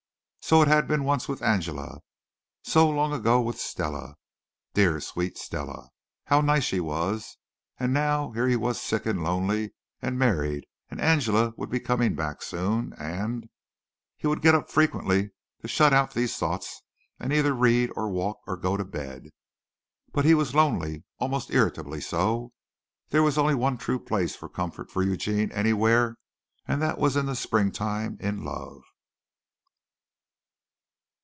So had it been once with Angela. So long ago with Stella! Dear, sweet Stella, how nice she was. And now here he was sick and lonely and married and Angela would be coming back soon and He would get up frequently to shut out these thoughts, and either read or walk or go to bed. But he was lonely, almost irritably so. There was only one true place of comfort for Eugene anywhere and that was in the spring time in love.